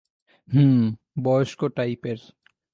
হুমম, বয়স্ক টাইপের।